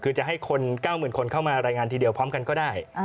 คือจะให้คน๙๐๐คนเข้ามารายงานทีเดียวพร้อมกันก็ได้